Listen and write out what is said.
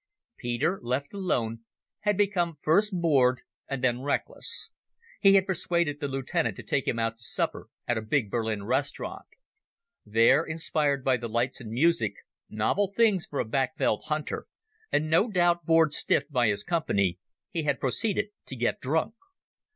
Peter, left alone, had become first bored and then reckless. He had persuaded the lieutenant to take him out to supper at a big Berlin restaurant. There, inspired by the lights and music—novel things for a backveld hunter—and no doubt bored stiff by his company, he had proceeded to get drunk.